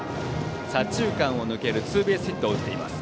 左中間を抜けるツーベースヒットを打っています。